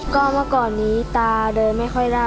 ก็เมื่อก่อนนี้ตาเดินไม่ค่อยได้